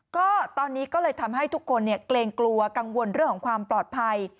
ก็ตอนนี้ก็เลยทำให้ทุกคนเกรงกลัวกังวลเรื่องของความปลอดภัย